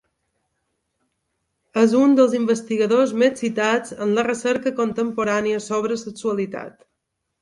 És un dels investigadors més citats en la recerca contemporània sobre sexualitat.